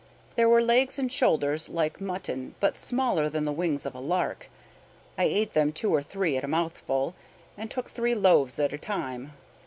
There were legs and shoulders like mutton but smaller than the wings of a lark. I ate them two or three at a mouthful, and took three loaves at a time.